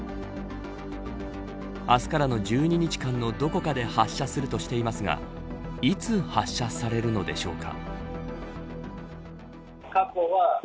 明日からの１２日間のどこかで発射するとしていますがいつ発射されるのでしょうか。